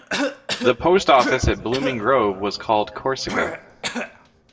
The post office at Blooming Grove was called Corsica.